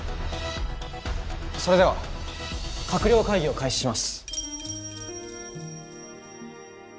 それでは閣僚会議を開始します。